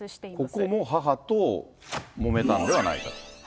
ここも母ともめたんではないかと。